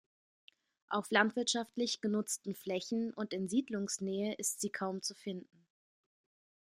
Auf landwirtschaftlich genutzten Flächen und in Siedlungsnähe ist sie kaum zu finden.